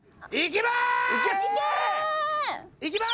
いきます！